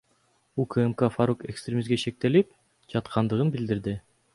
УКМК Фарук экстремизмге шектелип жаткандыгын билдирди.